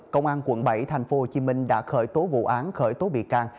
công an quận bảy thành phố hồ chí minh đã khởi tố vụ án khởi tố bị can